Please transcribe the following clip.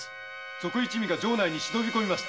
賊一味が城内に忍び込みました。